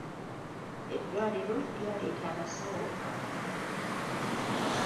Eddwaliro lyaleeta abasawo abalala.